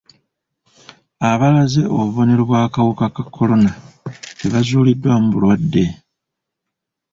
Abaalaze obubonero obw'akawuka ka kolona tebazuuliddwamu bulwadde.